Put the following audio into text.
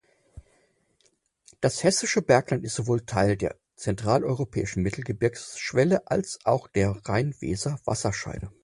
Das "Hessische Bergland" ist sowohl Teil der Zentraleuropäischen Mittelgebirgsschwelle als auch der Rhein-Weser-Wasserscheide.